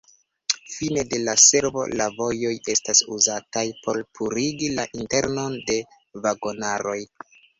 Fine de la servo, la vojoj estas uzataj por purigi la internon de vagonaroj.